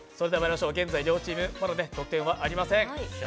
現在両チームまだ得点はありません。